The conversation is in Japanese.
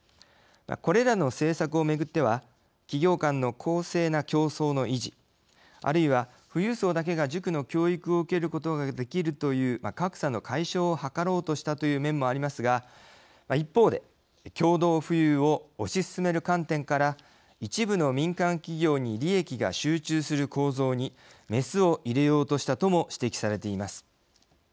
これらの政策を巡っては企業間の公正な競争の維持あるいは富裕層だけが塾の教育を受けることができるという格差の解消を図ろうとしたという面もありますが一方で、共同富裕を推し進める観点から一部の民間企業に利益が集中する構造にメスを入れようとしたとも指摘されています。